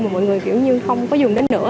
mà mọi người kiểu như không có dùng đến nữa